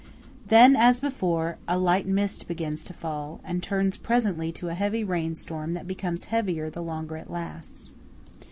Then, as before, a light mist begins to fall, and turns presently to a heavy rainstorm that becomes heavier the longer it lasts.